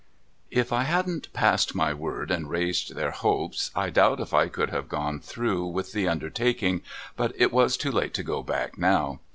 if I hadn't passed my word and raised their hopes, I doubt if I could have gone through with the undertaking but it was too late to go back now.